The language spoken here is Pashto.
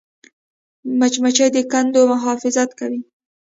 مچمچۍ د کندو محافظت کوي